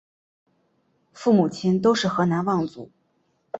父母亲都是河南望族。